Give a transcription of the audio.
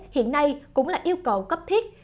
hiện nay cũng là yêu cầu cấp thiết